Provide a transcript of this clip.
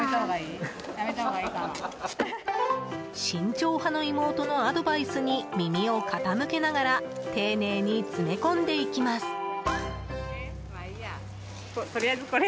慎重派の妹のアドバイスに耳を傾けながら丁寧に詰め込んでいきます。